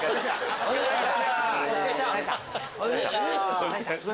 おはようございます。